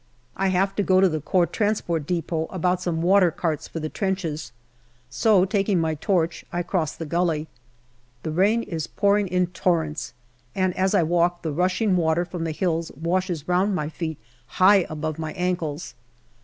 I have to go to the Corps Transport depot about some water carts for the trenches, so, taking my torch, I cross the gully. The rain is pouring in torrents, and as I walk the rushing water from the hills washes round my feet high above my ankles.